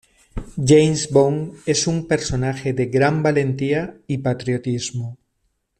James Bond es un personaje de gran valentía y patriotismo.